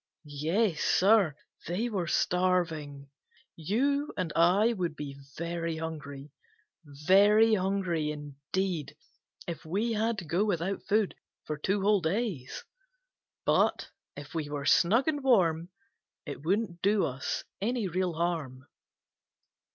Yes, Sir, they were starving. You and I would be very hungry, very hungry indeed, if we had to go without food for two whole days, but if we were snug and warm it wouldn't do us any real harm.